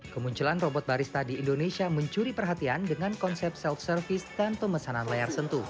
kemunculan robot barista di indonesia mencuri perhatian dengan konsep self service dan pemesanan layar sentuh